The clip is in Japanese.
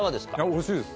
おいしいです。